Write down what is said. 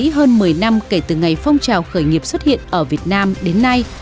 hơn một mươi năm kể từ ngày phong trào khởi nghiệp xuất hiện ở việt nam đến nay